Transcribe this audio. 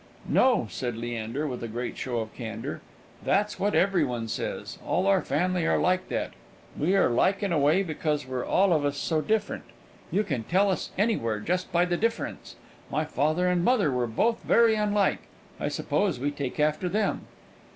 "No," said Leander, with a great show of candour, "that's what every one says; all our family are like that; we are like in a way, because we're all of us so different. You can tell us anywhere just by the difference. My father and mother were both very unlike: I suppose we take after them."